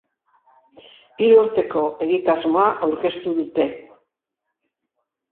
Hiru urteko egitasmoa aurkeztu dute.